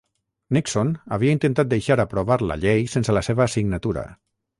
Nixon havia intentat deixar aprovar la llei sense la seva signatura.